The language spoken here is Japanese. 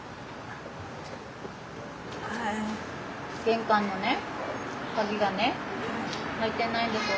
玄関のね鍵がね開いてないんです。